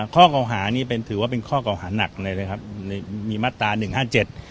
ข้อเก่าหานี่เป็นถือว่าเป็นข้อเก่าหาหนักเลยนะครับในมีมาตราหนึ่งห้าเจ็ด